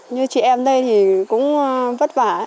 như chị em đây thì cũng vất vả